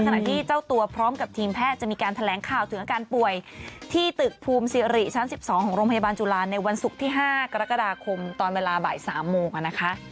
ที่เจ้าตัวพร้อมกับทีมแพทย์จะมีการแถลงข่าวถึงอาการป่วยที่ตึกภูมิสิริชั้น๑๒ของโรงพยาบาลจุฬาในวันศุกร์ที่๕กรกฎาคมตอนเวลาบ่าย๓โมงนะคะ